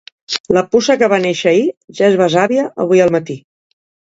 La puça que va néixer ahir ja és besàvia avui al matí.